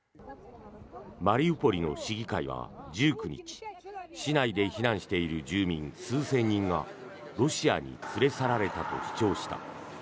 マリウポリの市議会は１９日市内で避難している住民数千人がロシアに連れ去られたと主張した。